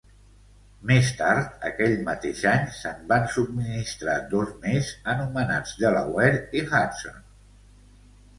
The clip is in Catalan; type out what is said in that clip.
Més tard, aquell mateix any, se'n van subministrar dos més, anomenats Delaware i Hudson.